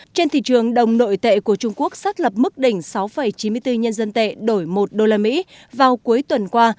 trên thị trường đồng nội tệ của trung quốc xác lập mức đỉnh sáu chín mươi bốn nhân dân tệ đổi một đô la mỹ vào cuối tuần qua